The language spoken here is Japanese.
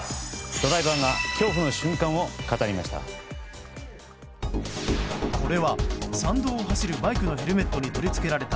ドライバーが恐怖の瞬間を語りました。